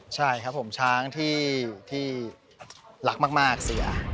ใช่ครับผมช้างที่รักมากเสีย